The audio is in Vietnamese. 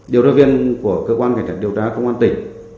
điều tra viên của cơ quan cảnh sát điều tra công an tỉnh